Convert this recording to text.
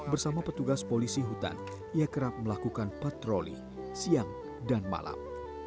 bersama petugas polisi hutan ia kerap melakukan patroli siang dan malam